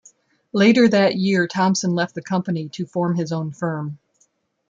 Later that year Thompson left the company to form his own firm.